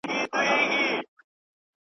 کیسې د خان او د زامنو د آسونو کوي.